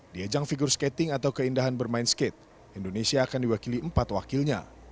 di ajang figure skating atau keindahan bermain skate indonesia akan diwakili empat wakilnya